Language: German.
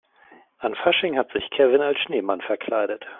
An Fasching hat sich Kevin als Schneemann verkleidet.